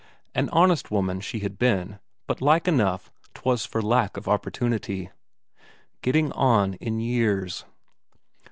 An honest woman she had been, but like enough 'twas for lack of opportunity. Getting on in years....